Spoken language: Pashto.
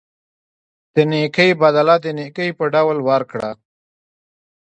د نیکۍ بدله د نیکۍ په ډول ورکړه.